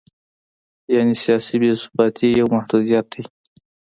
یعنې سیاسي بې ثباتي یو محدودیت دی.